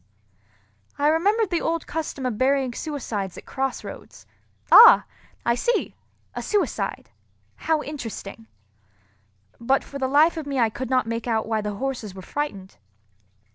I remembered the old custom of burying suicides at cross roads: "Ah! I see, a suicide. How interesting!" But for the life of me I could not make out why the horses were frightened.